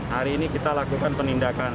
hari ini kita lakukan penindakan